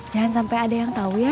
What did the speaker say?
jangan sampai ada yang tahu ya